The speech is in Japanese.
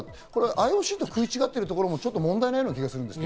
ＩＯＣと食い違ってるところも問題なような気がしますが。